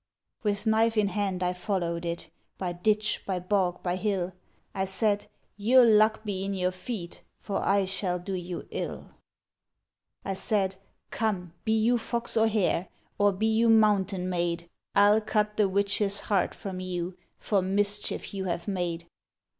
With knife in hand I followed it By ditch, by bog, by hill : I said, * Your luck be in your feet, For I shall do you ill.' I said, ' Come, be you fox or hare. Or be you mountain maid, I '11 cut the witch's heart from you. For mischief you have made.'